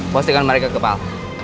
posisikan mereka kepal